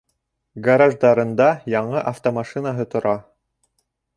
Гараждарында яңы автомашинаһы тора.